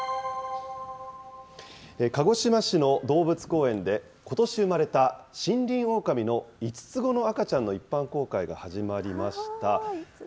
鹿児島市の動物公園でことし生まれたシンリンオオカミの５つ子の赤ちゃんの一般公開が始まりました。